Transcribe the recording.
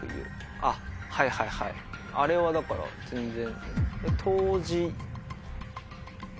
あっはいはいあれはだから全然。